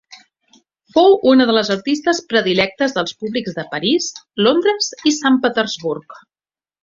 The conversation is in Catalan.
Fou una de les artistes predilectes dels públics de París, Londres i Sant Petersburg.